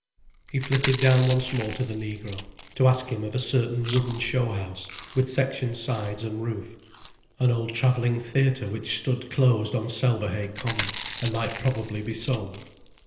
He flitted down once more to the negro, to ask him of a certain wooden show house, with section sides and roof, an old travelling theatre which stood closed on Selverhay Common, and might probably be sold.